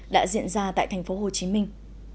đã diễn ra tại thành phố hồ chí minh